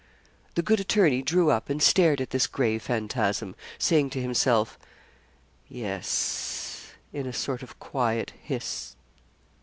The good attorney drew up and stared at this gray phantasm, saying to himself, 'Yes,' in a sort of quiet hiss.